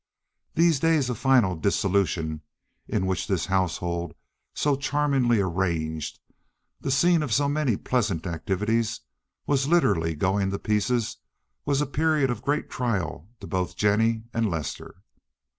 These days of final dissolution in which this household, so charmingly arranged, the scene of so many pleasant activities, was literally going to pieces was a period of great trial to both Jennie and Lester.